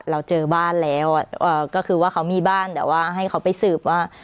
เราเจอบ้านแล้วก็คือว่าเขามีบ้านแต่ว่าให้เขาไปสืบว่า